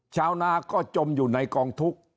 ชาวนาก็จมอยู่ในกองทุกข์